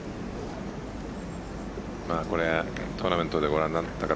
トーナメントでご覧になった方